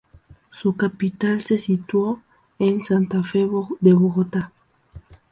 Su capital se situó en Santa Fe de Bogotá.